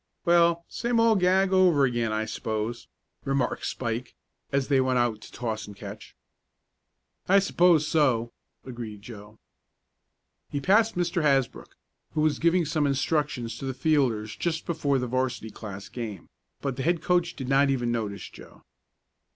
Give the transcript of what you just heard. "Well, same old gag over again I suppose," remarked Spike, as they went out to toss and catch. "I suppose so," agreed Joe. He passed Mr. Hasbrook, who was giving some instructions to the fielders just before the 'varsity class game, but the head coach did not even notice Joe.